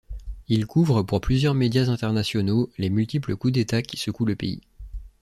Il couvre pour plusieurs médias internationaux les multiples coups d’État qui secouent le pays.